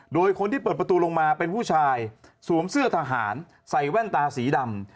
โสมเสื้อทหารใส่แว่นตาสีดำ